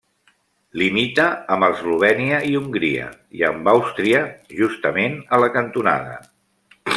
Limita amb Eslovènia i Hongria, i amb Àustria justament a la cantonada.